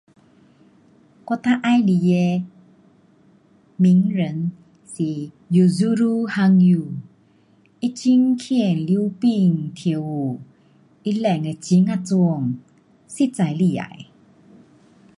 我最喜欢的名人是 Yuzuru Hanyu. 他很棒溜冰跳舞，他转的很呀准，实在厉害。